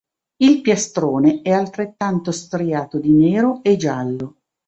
Il piastrone è altrettanto striato di nero e giallo.